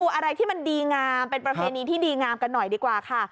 อะไรที่มันดีงามเป็นประเพณีที่ดีงามกันหน่อยดีกว่าค่ะ